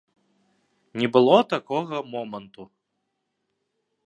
Не было такога моманту.